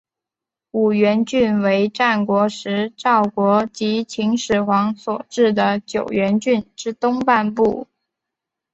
五原郡为战国时赵国及秦始皇所置九原郡之东半部。